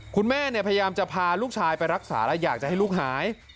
คุณแม่เนี่ยพยายามจะพาลูกชายไปรักษาแล้วอยากจะให้ลูกหาย